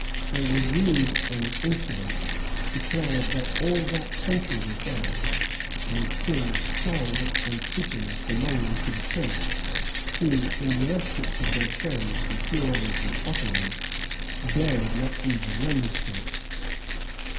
They were rude and insolent, declared that all that country was theirs, and killed fowls and pigeons belonging to the French, who, in the absence of their friends, the Hurons and Ottawas, dared not even remonstrate.